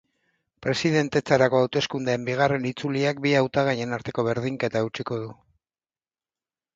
Presidentetzarako hauteskundeen bigarren itzuliak bi hautagaien arteko berdinketa hautsiko du.